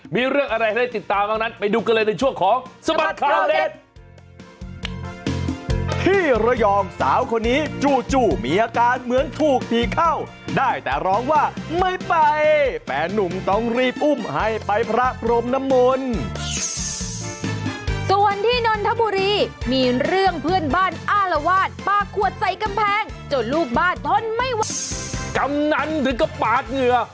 มีเรื่องอะไรให้ติดตามบ้างนั้นไปดูกันเลยในช่วงของสบัดข่าวเด็ด